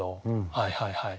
はいはいはい。